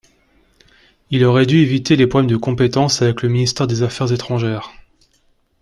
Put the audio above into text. Il aurait dû éviter les problèmes de compétences avec le ministère des Affaires étrangères.